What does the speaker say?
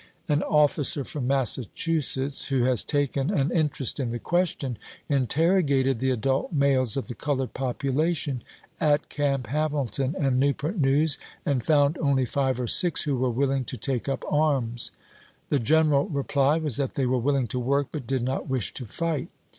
An officer from Massachusetts, who has taken an in terest in the question, interrogated the adult males of the colored population at Camp Hamilton and Newport News, and found only five or six who were willing to take up arms. The general reply was that they were willing to work, but did not wish to fight.